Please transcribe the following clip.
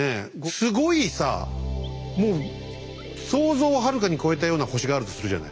すごいさもう想像をはるかに超えたような星があるとするじゃない。